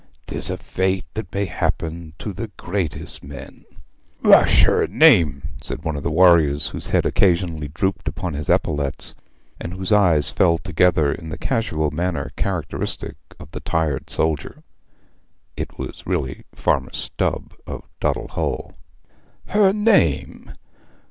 'Tis a fate that may happen to the greatest men.' 'Whash her name?' said one of the warriors, whose head occasionally drooped upon his epaulettes, and whose eyes fell together in the casual manner characteristic of the tired soldier. (It was really Farmer Stubb, of Duddle Hole.) 'Her name?